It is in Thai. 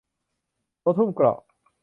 รถหุ้มเกราะ